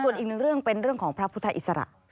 ส่วนอีกหนึ่งเรื่องเป็นเรื่องของพระพุทธอิสระ